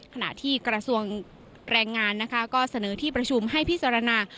ขณะที่กระทรวงแรงงานนะคะก็เสนอที่ประชุมให้พิจารณา